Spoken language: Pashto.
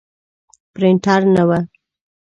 پرنټر نه و.